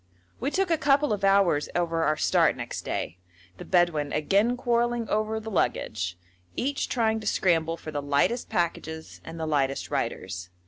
We took a couple of hours over our start next day, the Bedouin again quarrelling over the luggage, each trying to scramble for the lightest packages and the lightest riders.